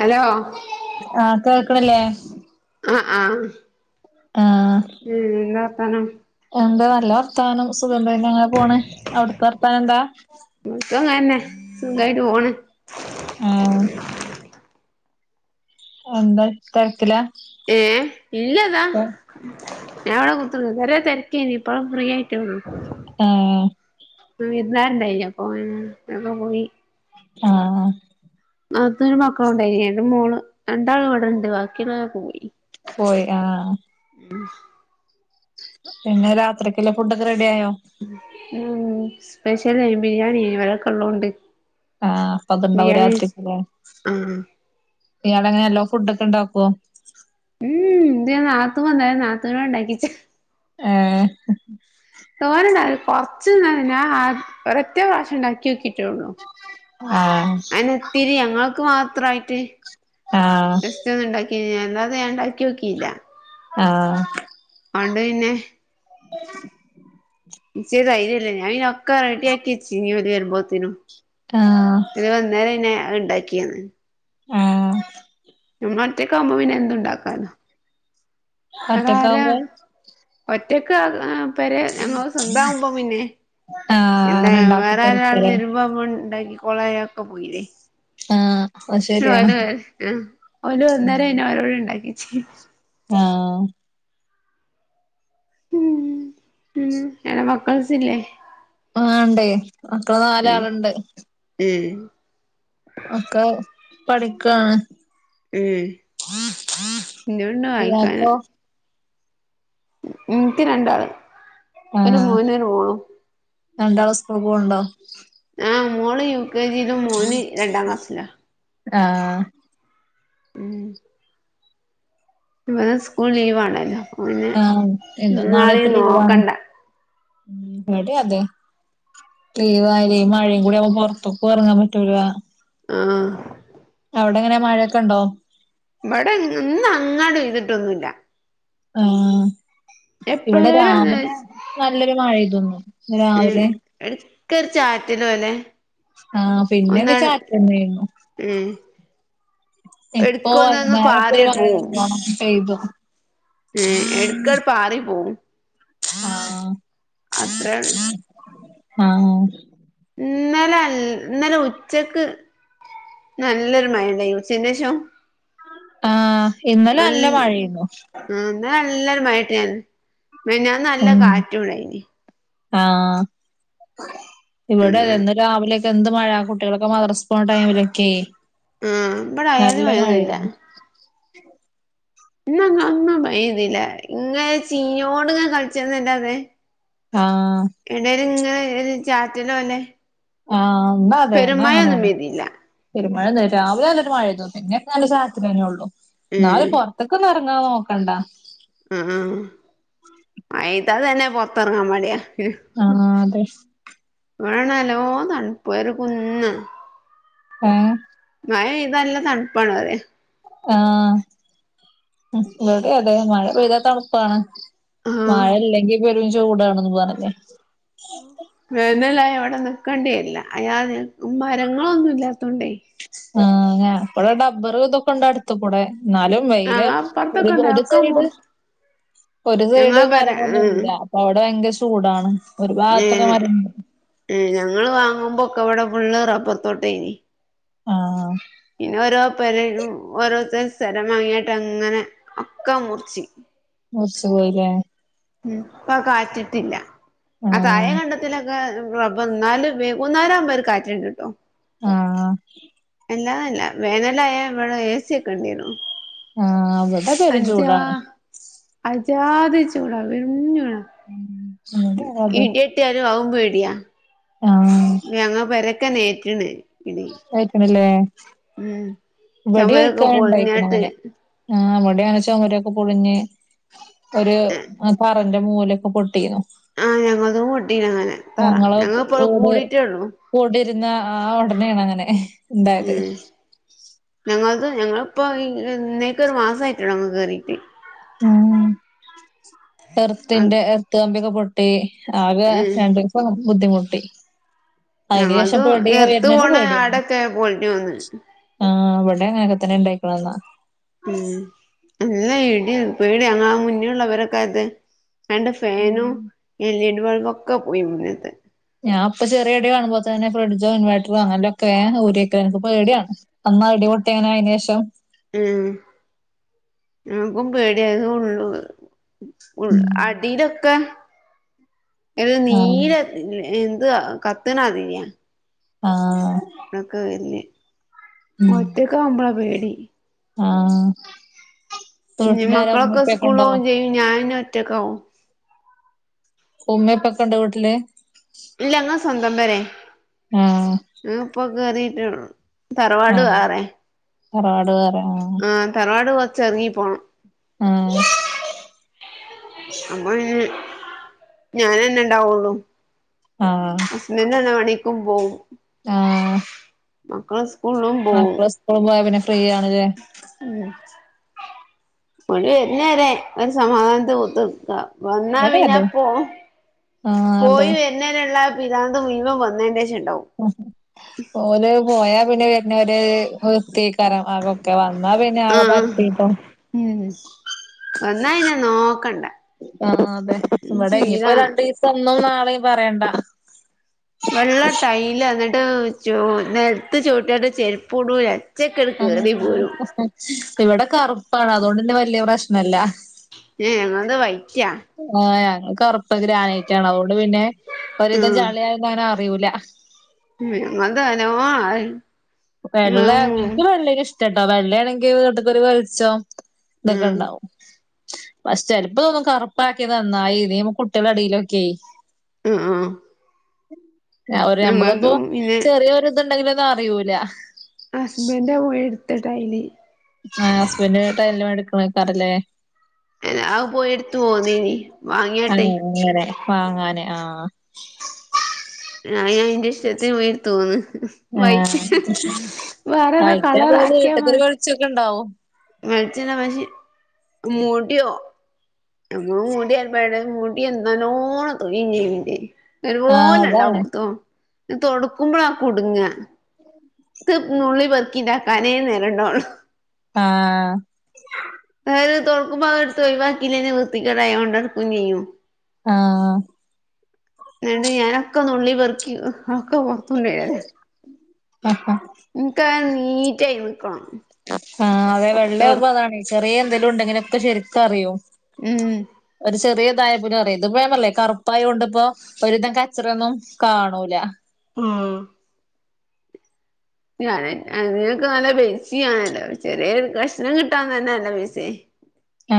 Hello ആ കേൾക്കണല്ലേ ആ ആ ആ മ് ന്താ വർത്താനം എന്താ നല്ല വർത്താനം സുഖം അങ്ങനെ പോണ് അവിടുത്തെ വർത്താനം എന്താ സുഖം തന്നെ സുഖായിട്ട് പോണ് മ് എന്താ തെരക്കില ഏ ഇല്ലതാ ഞാൻ അവിടെ കുത്ത വരെ തിരക്കേ ഇപ്പളും ഫ്രീ ആയിട്ടോള്ളു ആ വിരുന്നാരുണ്ടായിപ്പോ അപ്പ പോയി ആ അതൊരു മക്കള ഉണ്ടായിരിക്ക രണ്ട് മോള് രണ്ടാള് ഇവിടെ ഉണ്ട് ബാക്കിയുള്ളെ പോയി പോയി ആ [unintelligible] പിന്നെ രാത്രിക്കുള്ള ഫുഡൊക്കെ റെഡി ആയോ മ് സ്പെഷ്യൽ ബിരിയാണി ഇവരൊക്കെ ഉള്ളത് ഉണ്ട് ആ അപ്പൊ അത്ണ്ടാവും രാത്ക്ക്ല്ലെ ആ ഇയാളങ്ങനെ എല്ലോ ഫുഡ ഒക്കെ ഉണ്ടാക്കോ മ് ഇന്റെ നാത്തും വന്നാല നാതൂന കൊണ്ട ഉണ്ടാക്കിച്ച ആ തോനണ്ട അത് കൊറച്ച്ഞാ ഒരറ്റ പ്രാവശ്യം ഉണ്ടാക്കി നോക്കിട്ട ആഹ് [unintelligible] അനെത്തിരി ഞങ്ങൾക്ക് മാത്രയിട്ട് ആഹ് ണ്ടാക്കിത് ഞാൻ ഉണ്ടാക്കി നോക്കില്ല ആ അതണ്ട് പിന്നെ നിച്ച് ദ്യര്യല്ലാ ഞാൻ ഒക്കെ റെഡിയാക്കി വച്ചെന് ഓര് വരുമ്പോലെത്തനും ആ അന്നേര ഇ ഉണ്ടാക്കിയന്ന് ആ നമ്മൾ ഒറ്റക്ക ആവുമ്പോ പിന്നെ എന്തുണ്ടാക്കാനാര ഒറ്റക്കാവുമ്പോ ഒറ്റക്ക് പേരെ ഞങ്ങൾ സ്വന്ത ആകുമ്പോ പിന്നെ ആഹ് എന്താ അങ്ങനെ ഉണ്ടാക്കി വേറെ ഒരാൾ കൊടുക്കലേ വരുമ്പോ ഉണ്ടാക്കി കൊളയാ ഒക്കെ പോയില്ലേ ആ [unintelligible] ആ എടെ മക്കൾസ് ഇല്ലേ ആ ഉണ്ടേ മക്കള് നാലാളുണ്ട് മ് ഒക്കെ പഠിക്കുവയാണ് മ് ഇനിയുണ്ടോ ആൾക്കാര് ഇയാക്കോ ഇനിക്ക് രണ്ടാള് ആ ഒരു മോനും ഒരു മോളും രണ്ടളും ഉസ്കൂൾ പോണ്ടോ ആ് മോള് യു കെ ജിയിലും മോന് രണ്ടാം ക്ലാസ്സിലോ ആ മ് മ് സ്കൂൾ ലീവ് ആണല്ലോ ആ ഇല്ല നാളെ ഇപ്പൊ ലീവാണ്ട നോക്കണ്ട അതെ പെയ്യവാല മഴയും കൂടി അവ പുറത്തൊക്കെ ഇറങ്ങാൻ പറ്റൂല ആ അവിടെങ്ങനെ മഴയൊക്കെ ഉണ്ടോ? ഇവിടെ ഇന്ന് അങ്ങാട ചെയ്തിട്ടൊന്നുമല്ല. ആ ഇവിടെ എപ്പഴേലും ഒന്ന് രാവിലെ നല്ലൊരു മഴ പെയ്തു ഉം എടക്കറി ചാറ്റൽ പോലെ, ആ, പിന്നൊക്കെ ഒന്നാട് ചാറ്റന്നരുന്നു. ഉം, എടുക്കുമന്ന് ഒന്ന് പാറിയ പോവും. പെയ്തൊ? ഉ, എടുക്കടു പാറി പോവും. ആ അത്രേയുള്ളൂ. ആ ആ ഇന്നലെ അൽ ഇന്നലെ ഉച്ചക്ക് നല്ലൊരു മയണ്ടയു ചന്ശോ ആ ഇന്നലെ അല്ല മഴയുണ്ടായി. ആ ഇന്നലെ നല്ല മഴ ഉണ്ടായിരുന്നു, മിനിയാന്ന് നല്ല കാറ്റും ഉണ്ടായി. ആഹ ഉം ഇവിടെന്ന് രാവിലെ എന്ത് മഴ കുട്ടികളൊക്കെ മദ്രസ്പണ ടൈമിലൊക്കെ ആ ഇവിടെ അയാതി നല്ല മഴയൊന്നുല്ല മഴയരുന്നു. എന്നാ കാന്നാ പൈ ഇതില്ല ഇങ്ങനെ ചീനോട്ങ്ങ കളിച്ചരുന്നല്ല അതെ. ആ എവിടൽ ഇങ്ങ ചാറ്റന പോന്നെ. ആ എന്താ അതെ എന്ന അങ്ങനെയാണ് പെയ്തില്ല പെരുമഴയ രാവിലെ നന്നിട്ട് മഴയ തോന്നും ഇങ്ങെെ നല്ല സാഹത്തി തന്നെ ഉള്ളൂ ഉം നാളറ ഇതൊക്കെ നിറങ്ങാതെ നോക്കണ്ട. ഉം അയിതാ തന്നെ പൊറത്തിറങ്ങാൻ മാടിയാ. ആഹ് അതെ വേണല്ലോ തണുപ്പർ കുന്ന ഏഹ് മഴ പെയ്ത നല്ല തണുപ്പാാണ്, അതേ ആഹ ഇവിടെ അതെ മഴ പെയ്താ തണുപ്പാണ്. ആ മഴ അല്ലെങ്കിൽ പെരും ചൂടാണന്ന് പോാനല്ലേ വന്നല അവിടെ നക്കേണ്ടേ അല്ല അയാ മരങ്ങളൊന്നും ഇല്ലാത്തോണ്ടേ. ആ് ഞ ഇപ്പടെ ഡബ്ബർ ഇതൊക്കെ ഉണ്ട് അടുത്ത കൂടെ. എന്നാലും ആ വെയില് അപ്പുറത്തൊക്കെ ഉണ്ടാവും ഒരു ഒക്കെ സൈഡ് മുറി ഒരു സൈഡ് ഞങ്ങളെ പെര ഉം മരങ്ങൊന്നല്ല. അവിടെ ഭയങ്കര ചൂടാണ്, ഒരു ഭാഗത്തൊക്കെ മരുണ്ട്. ഞങ്ങൾ വാങ്ങുമ്പോ ഒക്കെ ഇവിടെ ഫള് റപ്പറ തോട്ടേനി. ആഹ് പിന്നെ ഓരോ പരും ഓരോരുത്തർ സ്ഥരം വാങ്ങിട്ട് അങ്ങനെ, ഒക്കെ മുറിച്ചി. ഒരു സുഖമില്ല. ഉം അ ആ കാറ്റിട്ടില്ല ആ തായം കണ്ടത്തില്ല ആഹ് റബ്ബ് എന്നാലും വൈകുന്നേരം അക്കുമ്പ ഒരു കാറ്റ് ഉണ്ട് ട്ടോ. ആഹ്. എല്ലാല്ല വേനലായ ഇവിടെ ഏസിയ ഒക്കെ ഉണ്ടരുന്നുു ആ ഇവിടെ പെരും അജ ചൂടാണ് അജാദ ചൂടാ വിരഞ്ഞൂട ഉം ഇവിടെ അതെ ഇടി വീട്ടിയാലും അവൻ പേടിയാ. ആ ഞങ്ങ പരക്കെ നേറ്റണ്. ആയിട്ടണല്ലേ ഉം ഇ വടി ചൊമരൊക്കെ വെക്കാന ഉണ്ടായിരിക്കണ പൊളിഞ്ഞാട്ട് അങ്ങനെ. ആ അവിടെയാണച്ചമ്മരൊക്കെ പൊളിഞ്ഞ്, ഒരു പറന്റെ മൂവിലൊക്കെ പൊട്ടിു ആഹ് ഞങ്ങതും പൊട്ടീനങ്ങനെ തറ ഞങ്ങപ്പോ കൂടീട്ടേ ഉള്ളൂ കൂടിരുന്ന ആ ഓടനെ ആണ് അങ്ങനെ ഉണ്ടായത് ഉം ഞങ്ങളത് ഞങ്ങളിപ്പോ ഇന്നേക്ക് ഒരു മാസായിട്ടുളളു കേറീട്ട് ഉം ഉം എറുത്തിന്റെ എറുത്ത് കമ്പിയൊക്കെ പൊ ട്ടി ആകെ രണ്ടിവസം ബുദ്ധിമുട്ടി അയിനുശേഷം ഞങ്ങൾത് [unintelligible] എർത്ത് വരുന്നല്ലെ പോണ പേടിയാണ് ആടൊക്കെ പൊളിഞ്ഞു വന്ന് ആ ഇവിടെ അങ്ങനൊക്കെ തന്നെ ഉണ്ടായിക്കണ എന്നാ ഉം അല്ല ഇടി പേടി ഞങ്ങ മുന്നേള്ളവരൊക്കെ അത് രണ്ട് ഫാനും എൽ ഇ ഡി ബൾബൊക്കെ പോയി മുന്നിത്തെ ഞാ ഇപ്പൊ ചെറിയ ഇടി കാണുമ്പോ തന്നെ ഫ്രിഡ്ജോ ഇൻവേർട്ടറോ അങ്ങനൊക്കെ വേഹ ഊരി വെക്കാ എനക്ക് പേടിയാണ് എന്നാ ഇടിപൊട്ടിയന അയിന്ശേഷം ഉം ൻക്കും പേടിയായത് ഉള്ളു [unintelligible] ഇതൊക്കെ ആഹ് നീര് എന്ത് കത്തിണ ആതിരിയാ ആഹ് ഇതൊക്കെ വല്ലേ ഒറ്റക്ക് ആവുമ്പോളാ പേടി ആഹ് ഇന് വീട്ടിലാരാ ഉമ്മേം മക്കളൊക്കെ ഉപ്പേക്കെ ഉണ്ടോ സ്കൂളോവേം ചെയ്യും ഞാനിന് ഒറ്റക്കാവും ഉമ്മ [unintelligible] വീട്ടില് ഇല്ല ഇങ്ങ സ്വന്തം പെരേ ആഹ് ഇപ്പൊ കേറീട്ടെ ഉള്ളു. തറവാട് ആഹ് വേറെ തറവാട് വേറെ ആഹ് ആ തറവാട് കൊച്ച് എറങ്ങി പോണം. ആഹ് അപ്പൊയി ഞാനന്നെ ഇണ്ടാവുള്ളു. ആഹ് നിന്നണ മണിക്കും പോവും. ആഹ് മക്കള് സ്കൂളും പോവും. സ്‌കൂള് പോയ പിന്ന ഫ്രീ ആണല്ലെ ഉം. [unintelligible] ഒരു സമാധാനത്ത് കുത്ത്ക്ക. വന്നാ ഇവിടെ അതെ പിന്നപ്പോ ആഹ് പോയി വ അതെ [unintelligible] പിരാന്ത് മുയുവം വന്നെന്റേഷം ഇണ്ടാവും. ഓര് പോയാ പിന്നെ വരണവര് [unintelligible] ആകും ഒക്കെ വന്നാ പിന്നെ ആകെ ആഹ് പരത്തീട്ടും. ഉം വന്നാ ന്നെ നോക്കണ്ട. ആഹ് അതെ ഇച്ച് ഇവിടെ ഇനിയിപ്പോ വീരാണ് രണ്ടീസം ഇന്നും നാളെയും പറയണ്ട. വെള്ള ടൈല് എന്നിട്ട് ചൂ നെൽത്ത് ചൊട്ടീട്ട് ചെരുപ്പ് ഇടൂല. ചെക്ക് ആ എടുക്ക് നീ പോരും. ഇവിടെ കറുപ്പാണ് അതുകൊണ്ട് തന്നെ വലിയ പ്രശ്നല്ല. [unintelligible] വൈറ്റാ ആഹ് ഞങ്ങക്ക് ഒറപ്പ് ഗ്രാനൈറ്റാണ് അതുകൊണ്ട് പിന്നെ ഒരിതും ആഹ് ചളിയായ ഞാന് അറിയൂല. [unintelligible] ചട്ടോ വെള്ളയാണെങ്കി വട്ടക്കൊരു വെളിച്ചോം ഇതൊക്കെ ആഹ് ഉണ്ടാവും. ചെലപ്പോ തോന്നും കറുപ്പാക്കിയതന്നായി നീ കുട്ടികള ഇടയിലൊക്കെ. ഉം ആഹ് ഒരമ്മളിപ്പോ ഞങ്ങൾതും പിന്നെ ചെറിയോര് ഇതുണ്ടെങ്കിലൊന്ന് അറിയൂല ഹസ്ബന്റാ പോയി എടുത്തെ ടൈല് ആ ഹസ്ബൻഡട്ട എല്ലാം എടുക്കണക്കാറല്ലേ? ആ പോയി എടുത്തു പോന്നീനി. വാങ്ങിയാട്ടെ അങ്ങനെ വാങ്ങാന് ആഹ് ആഹ് ഞാൻ എന്റെ ഇഷ്ടത്തിന് പോയി എട്ത് പോന്ന് ആ വൈറ്റ്. വേറെതാ കളർ ആക്കിയ മ [unintelligible] ഉണ്ടാവു. [unintelligible] മൂടിയോ? [unintelligible] മുടി എന്താലോണം തൊലി നീന്തേ. ആ ഒരുപോലെ അതാണ് ഉണ്ടാവകത്തും, ഇപ്പം തൊടുക്കുമ്പോഴ ആ കുടുങ്ങ. [inaudible] [unintelligible] നുള്ളി പെറുകി ഉണ്ടാക്കാനേ നേരിണ്ടള്ളൂ. ആഹ.. അവര് തുറക്കുമ്പോ എടുത്ത് ഒഴിവാക്കില്ലെ വൃത്തിക്കേട ആ കൊണ്ട്ക്കും ചെയ്യും. ആഹ.. [unintelligible] ഞാനൊക്കെ നുള്ളി പെറക്കി ഒക്കെ പുറത്തണ്ടയെലെ. ആഹാ, എനിക്ക് ആ നീറ്റായി നിക്കണം. ആഹ, അതെ തൊടു വെള്ളാവുമ്പോ അതാണ്, ചെറിയ എന്തേലും ഉണ്ടെങ്കിലൊക്കെ ശെരിക്കറിയും. ഉം. ഒരു ചെറിയതായ പിനെ അറിയ ഇത് പൊ ഞാൻ പറഞ്ഞില്ലേ? കറുപ്പായത് കൊണ്ട്പ്പോ.. ഒരിതം കച്ചറൊന്നും കാണൂല. ഉം... [unintelligible] നല്ല പൈസി ആണല്ലോ? ചെറിയ ഒരു കഷ്ണം കിട്ടാൻ തന്നെ നല്ല പൈസായി. [inaudible] [unintelligible] [unintelligible] ആ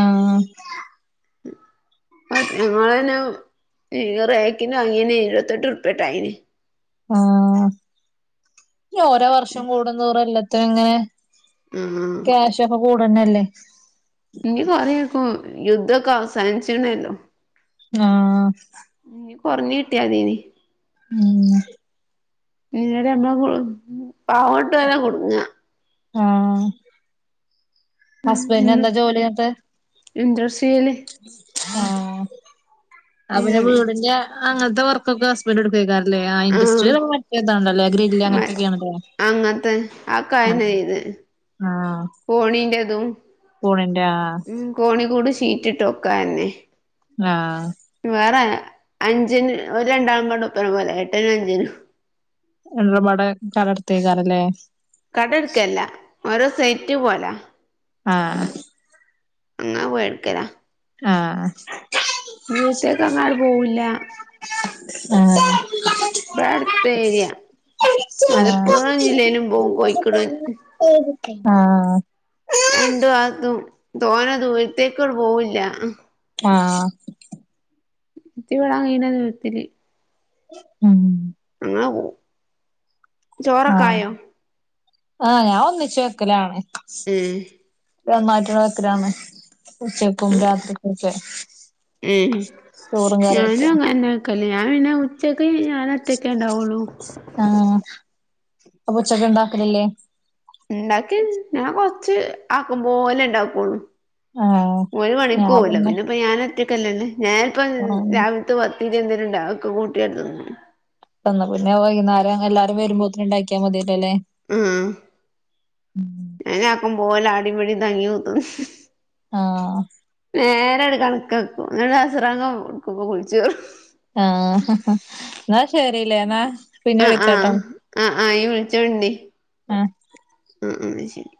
അങ്ങനെ എഴപത്തെട്ട് ഉുപ്പേട്ടായിന് ആഹ ഓരോ വർഷം കൂടുംന്തൂറുംല്ലാത്തും ഇങ്ങനെ ആഹ് ക്യാഷ് ഒക്കെ കൂടന്നെല്ലേ ഇനി കൊറക്കും യുദ്ധൊക്കെ അവസാനിച്ചിണല്ലോ ആഹ ഇനീ കുറഞ്ഞ് കിട്ടിയാ അതീനി ഉം [unintelligible] ആഹ ഹസ്ബൻഡ എന്താ ജോലിിട്ട് ഇൻഡസ്ട്രിയൽ ആഹ ആ പിന്നെ വീടിന്റെ അങ്ങനത്തെ വർക്കൊക്കെ വീട് എടു കേക്കാറല്ലേ ആ ആഹ് ഇൻഡ്ട്രയി മറ്റതാണ്ടല്ലോ ഗ്രില്ല് അങ്ങനത്തെൊക്കെയാണല്ലോ ആ കായന്ന ചെയത് കോണീന്റെ പൂണന്റെ ആ കോണി കൂട് [unintelligible] ആഹ വേറെ അഞ്ചിനന് ഒരു രണ്ടാള കൊണ്ട് ഉപ്പന പോലെ എട്ടിനും അഞ്ചിനും ഒരുപാട് [unintelligible] കട എടുക്കല്ല ഓരോ സൈറ്റ് പോലാ ആഹ അങ്ങനാ പോയടുക്കരാ ആഹ [unintelligible] ഇവിടെത്തേക്ക് അങ്ങാട് പോവില്ല ആഹ ഇവിടെ അടുത്ത ഏരിയ മലപ്പുറം ജില്ലയിലും പോകും കോഴിക്കോട് [unintelligible] ആഹ രണ്ടു അതും തോന്ന ദൂരത്തേക്കോട് പോവില്ല ആഹ ഇറ്റ [unintelligible] ഇത്തിരി ഉം [unintelligible] ആഹ് ചോറൊക്കായോ ആഹ് ഞാൻ ഒന്നിച്ചു വെക്കലാണ് ഉം എപ്പഴും [unintelligible] ഉച്ചക്കും രാത്രിക്കൊക്കെ ഉം ചോറും ഞാനും കറിയൊക്കെ അങ്ങനെ വെക്കല് ഞാൻ പിന്നെ ഉച്ചക്ക് ഞാൻ ഒറ്റക്കല്ലെ ഉള്ളു ആഹ് അപ്പ ഉച്ചക്ക് ഉണ്ടാക്കലില്ലേ ഉണ്ടാക്കി ഞാൻ കൊറച്ച് ആക്കും പോലെ ഉണ്ടാക്കുള്ളു ആഹ് ഓര് പണിക്ക് ഞാൻ പോകുവല്ലോ പിന്നെ പിന്നെപ്പ ഞാൻഒറ്റക്കല്ലല്ലേ ഞാനപ്പം ആഹ് രാവി [unintelligible] വന്നാ പിന്നെ വൈകുന്നേരം എല്ലാരും വരുമ്പോത്തേന് ഉണ്ടാക്കിയാ മതിയല്ലോ അല്ലേ ഉം ഏഹ് ആക്കും പോല ആടിമടി തഞ്ഞി വെക്കും ആഹ് നേരങ്ങട് കണക്കെക്കും എന്നിട്ട് അസറാങ്ക് എടുക്കും കുളിച്ചോർ ആഹ് എന്നാ ശരില്ലേ എന്നാ പിന്നെ ആ ആഹ് വിളിക്കാട്ടോ ആ ആ ഇനി വിളിച്ചോണ്ടി ആഹ് ഉം ഉം ശരി